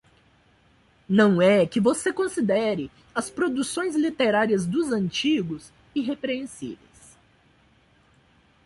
Não é que você considere as produções literárias dos antigos irrepreensíveis.